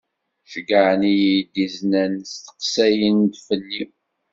Ceyyɛen-iyi-d iznen steqsayen-d fell-i.